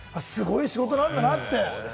やっぱりすごい仕事なんだなって。